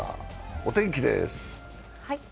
お天気です。